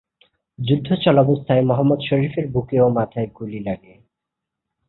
যুদ্ধ চলাবস্থায় মোহাম্মদ শরীফের বুকে ও মাথায় গুলি লাগে।